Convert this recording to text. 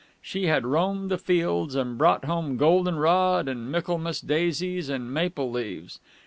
She had roamed the fields, and brought home golden rod and Michaelmas daisies and maple leaves.